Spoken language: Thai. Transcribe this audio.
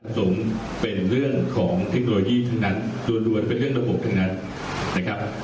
สงฆ์เป็นเรื่องของเทคโนโลยีทั้งนั้นโดยรวมเป็นเรื่องระบบทั้งนั้นนะครับ